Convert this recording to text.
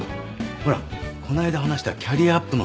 ほらこないだ話したキャリアアップの件